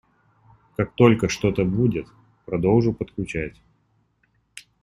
Как только что-то будет - продолжу подключать.